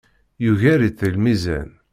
Yugar-itt deg lmizan.